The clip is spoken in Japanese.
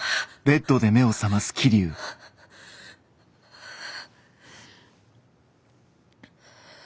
はあ。